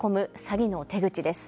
詐欺の手口です。